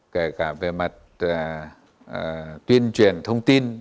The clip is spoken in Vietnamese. kể cả về mặt tuyên truyền thông tin